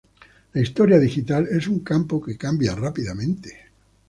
La historia digital es un campo que cambia rápidamente.